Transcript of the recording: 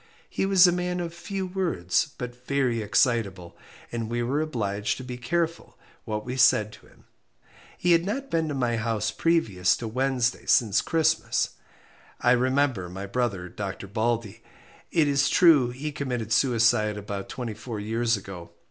He was a man of few words, but very excitable, and we were obliged to be careful what we said to him. He had not been to my house previous to Wednesday since Christmas. I remember my brother, Dr. Baldey it is true he committed suicide about twenty four years ago.